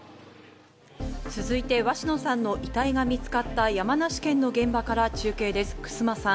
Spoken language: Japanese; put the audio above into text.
続いて鷲野さんの遺体が見つかった山梨県の現場から中継です、楠間さん。